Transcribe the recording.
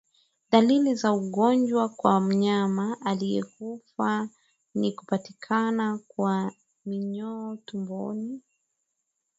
Dalili za ugonjwa kwa mnyama aliyekufa ni kupatikana kwa minyoo tumboni